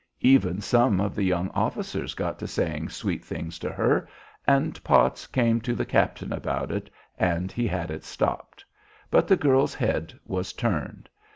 Even some of the young officers got to saying sweet things to her, and Potts came to the captain about it, and he had it stopped; but the girl's head was turned.